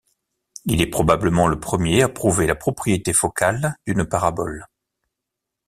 Il est probablement le premier à prouver la propriété focale d'une parabole.